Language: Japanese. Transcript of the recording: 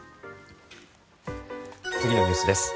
次のニュースです。